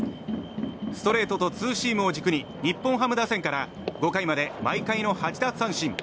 ストレートとツーシームを軸に日本ハム打線から５回まで毎回の８奪三振。